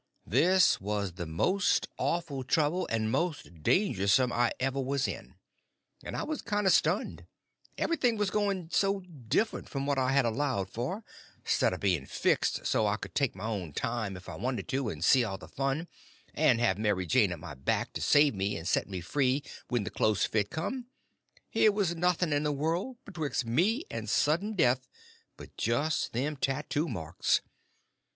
This was the most awful trouble and most dangersome I ever was in; and I was kinder stunned; everything was going so different from what I had allowed for; stead of being fixed so I could take my own time if I wanted to, and see all the fun, and have Mary Jane at my back to save me and set me free when the close fit come, here was nothing in the world betwixt me and sudden death but just them tattoo marks.